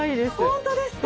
本当ですか。